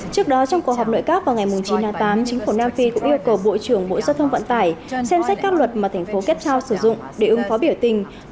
trước đó trong cuộc họp nội các vào ngày chín tháng tám chính phủ nam phi cũng yêu cầu bộ trưởng bộ giao thông vận tải xem xét các luật mà thành phố captow sử dụng để ưng phó biểu tình